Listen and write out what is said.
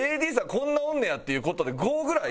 こんなおんねやっていう事で５ぐらい。